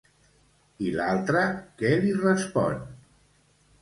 I l'altre, què li respon?